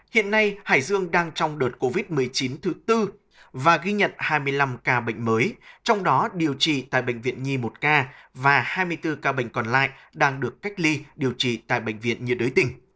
hiện nay hải dương đang trong đợt covid một mươi chín thứ tư và ghi nhận hai mươi năm ca bệnh mới trong đó điều trị tại bệnh viện nhi một ca và hai mươi bốn ca bệnh còn lại đang được cách ly điều trị tại bệnh viện nhiệt đới tỉnh